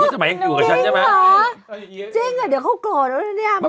จริงหรอเดี๋ยวเขากดหม่ะ